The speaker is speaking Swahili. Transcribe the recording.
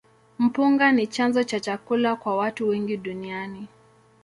Mpunga ni chanzo cha chakula kwa watu wengi duniani.